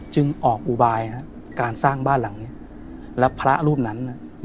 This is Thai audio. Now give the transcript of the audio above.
ออกอุบายการสร้างบ้านหลังนี้แล้วพระรูปนั้น